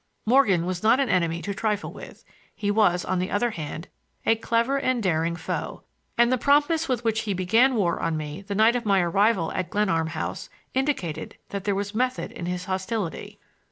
Morgan was not an enemy to trifle with; he was, on the other hand, a clever and daring foe; and the promptness with which he began war on me the night of my arrival at Glenarm House, indicated that there was method in his hostility.